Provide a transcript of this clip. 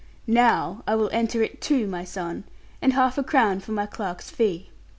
Now I will enter it two, my son, and half a crown for my clerk's fee.'